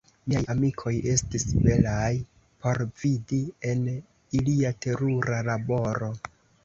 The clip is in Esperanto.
Miaj amikoj estis belaj por vidi, en ilia terura laboro.